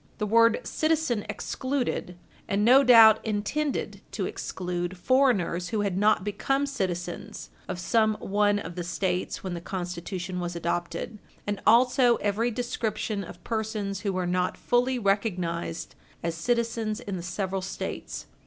The word citizen excluded, and no doubt intended to exclude, foreigners who had not become citizens of some one of the States when the Constitution was adopted, and also every description of persons who were not fully recognised as citizens in the several States.